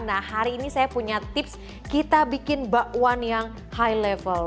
nah hari ini saya punya tips kita bikin bakwan yang high level